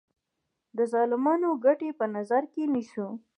د ظالمانو ګټې په نظر کې نیسو.